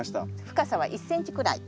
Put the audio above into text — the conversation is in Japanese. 深さは１ｃｍくらい。